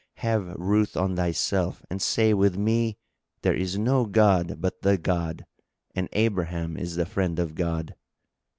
Have ruth on thyself and say with me:—There is no god but the God and Abraham is the Friend of God!"